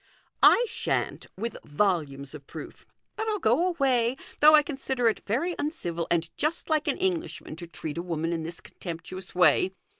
" I shan't, with volumes of proof. But I'll go away, though I consider it very uncivil and just like an Englishman to treat a woman in this contemptuous way.